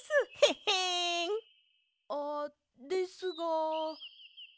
あですが。